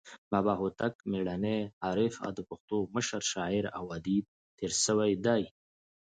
بابا هوتک میړنى، عارف او د پښتو مشر شاعر او ادیب تیر سوى دئ.